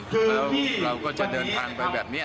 แลาวเราก็จะเดินผ่านไปแบบเนี่ย